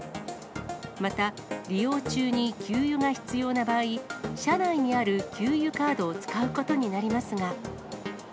また、利用中に給油が必要な場合、車内にある給油カードを使うことになりますが。